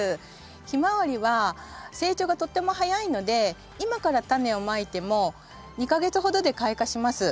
ヒマワリは成長がとっても早いので今からタネをまいても２か月ほどで開花します。